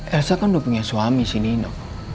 elsa kan udah punya suami sih nino